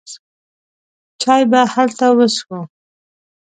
چای به هلته وڅښو.